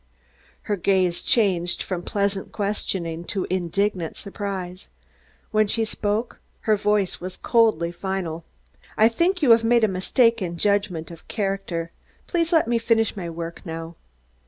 Her gaze changed from pleasant questioning to indignant surprise. When she spoke her voice was coldly final. "I think you have made a mistake in judgment of character. Please let me finish my work now."